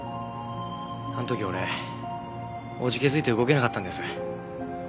あの時俺怖気づいて動けなかったんです。